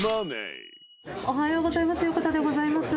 おはようございます。